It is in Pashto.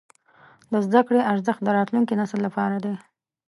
د زده کړې ارزښت د راتلونکي نسل لپاره دی.